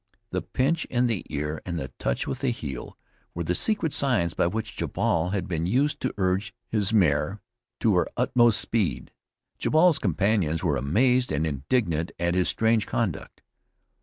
The pinch in the ear and the touch with the heel were the secret signs by which Jabal had been used to urge his mare to her utmost speed. Jabal's companions were amazed and indignant at his strange conduct.